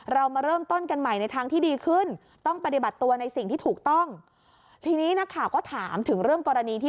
เรามาเริ่มต้นกันใหม่ในทางที่ดีขึ้น